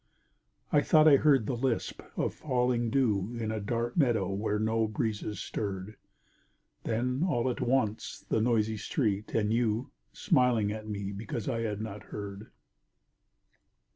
I thought I heard the lisp of falling dew In a dark meadow where no breezes stirred.... Then all at once the noisy street, and you Smiling at me because I had not heard!